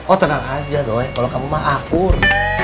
oh tenang aja dong kalau kamu mah akur